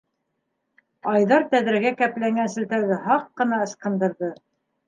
Айҙар тәҙрәгә кәпләнгән селтәрҙе һаҡ ҡына ысҡындырҙы.